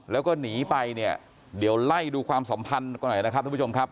แล้วก็หนีไปเนี่ยเดี๋ยวไล่ดูความสัมพันธ์ก่อนหน่อยนะครับทุกผู้ชมครับ